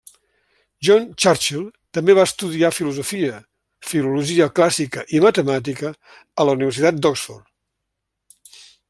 John Churchill també va estudiar filosofia, filologia clàssica i matemàtica a la Universitat d'Oxford.